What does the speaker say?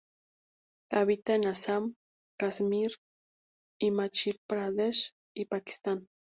Habita en Assam, Kashmir, Himachal Pradesh y Pakistán.